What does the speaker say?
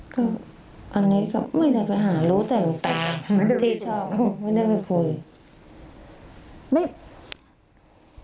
ก็อะไรก็ไม่ได้ไปหารู้แต่หลวงตาที่ชอบไม่ได้ไปคุย